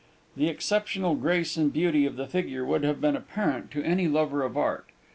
The exceptional grace and beauty of the figure would have been apparent to any lover of art.